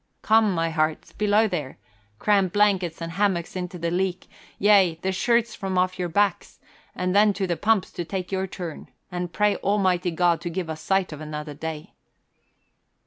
"Come, my hearts! Below there! Cram blankets and hammocks into the leak, yea, the shirts from off your backs! And then to the pumps to take your turn. And pray Almighty God to give us sight of another day."